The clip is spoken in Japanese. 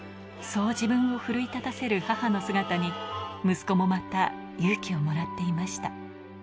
そう自分を奮い立たせる母の姿に息子もまた勇気をもらっていました。